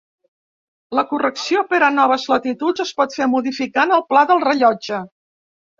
La correcció per a noves latituds es pot fer modificant el pla del rellotge.